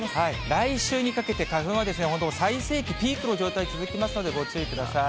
来週にかけて花粉は最盛期、ピークの状態続きますので、ご注意ください。